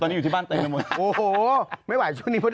ตอนนี้อยู่ที่บ้านเต็มไปหมด